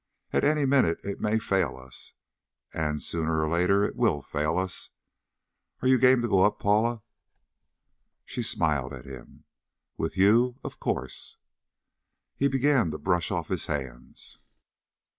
At any minute it may fail us, and sooner or later it will fail us. Are you game to go up, Paula?" She smiled at him. "With you, of course." He began to brush off his hands.